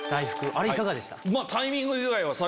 あれいかがでした？